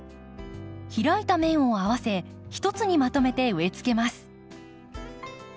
開いた面を合わせ一つにまとめて植えつけます。